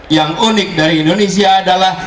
yang unik dari indonesia adalah